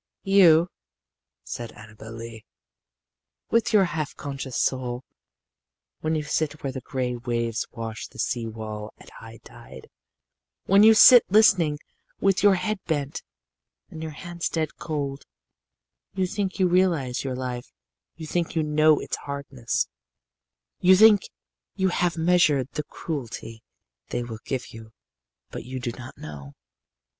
"You," said Annabel Lee, "with your half conscious soul, when you sit where the gray waves wash the sea wall at high tide, when you sit listening with your head bent and your hands dead cold, you think you realize your life you think you know its hardness you think you have measured the cruelty they will give you; but you do not know.